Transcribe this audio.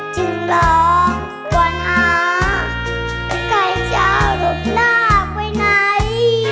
จึงรองควรหาใกล้จะหลบหน้าไปไหน